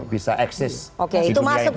bisa eksis di dunia internasional